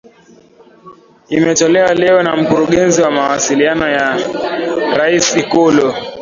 Imetolewa leo na mkurugenzi wa mawasiliano ya rais Ikulu